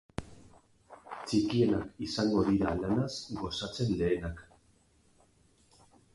Txikienak izango dira lanaz gozatzen lehenak.